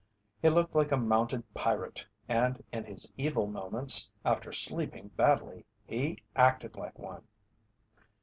He looked like a mounted pirate, and, in his evil moments, after sleeping badly, he acted like one.